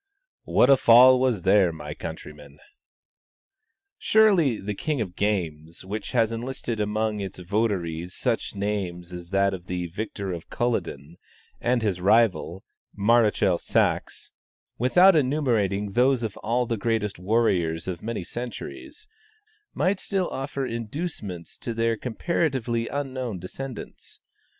"What a fall was there, my countrymen!" Surely the "King of Games," which has enlisted amongst its votaries such names as that of the victor of Culloden, and his rival, Maréchal Saxe; without enumerating those of all the greatest warriors of many centuries, might still offer inducements to their comparatively unknown descendants.